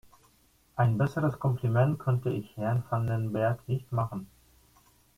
Ein besseres Kompliment könnte ich Herrn van den Berg nicht machen.